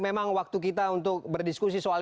memang waktu kita untuk berdiskusi soal